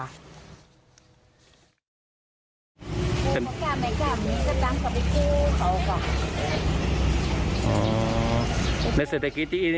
ถ้าเขาไม่เคยกู้บริษัทเขา